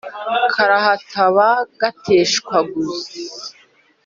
karahatamba gateshaguzwa,